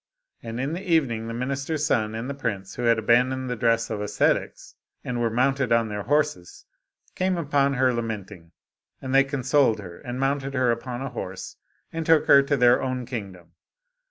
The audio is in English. And in the evening the minister's son and the prince, who had abandoned the dress of ascetics, and were mounted on their horses, came upon her lament ing. And they consoled her, and mounted her upon a horse, and took her to their own kingdom.